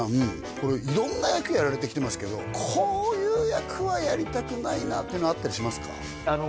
これ色んな役やられてきてますけどこういう役はやりたくないなっていうのはあったりしますか？